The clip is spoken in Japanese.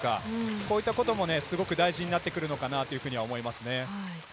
こういったこともすごく大事になってくるのかなと思います。